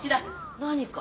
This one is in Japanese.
何か？